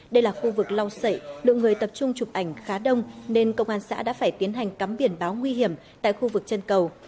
đây là khu vực lau sậy lượng người tập trung chụp ảnh khá đông nên công an xã đã phải tiến hành cắm biển báo nguy hiểm tại khu vực chân cầu